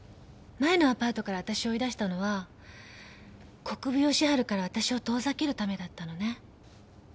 前のアパートからあたしを追い出したのは国府吉春からあたしを遠ざけるためだったのね。